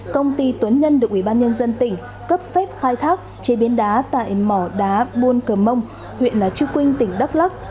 công ty tuấn nhân được ủy ban nhân dân tỉnh cấp phép khai thác chế biến đá tại mỏ đá buôn cờ mông huyện trư quynh tỉnh đắk lắc